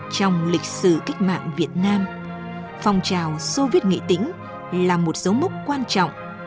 trong lịch sử cách mạng việt nam phong trào soviet nghệ tĩnh là một dấu mốc quan trọng